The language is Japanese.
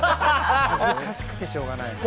恥ずかしくてしょうがない。